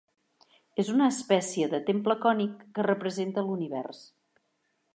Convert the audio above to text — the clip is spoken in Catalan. És una espècie de temple cònic que representa l'Univers.